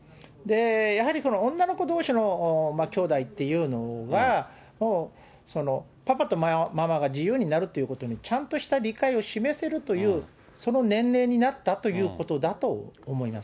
やはり女の子どうしの姉妹っていうのは、もう、パパとママが自由になるということに、ちゃんとした理解を示せるという、その年齢になったということだと思います。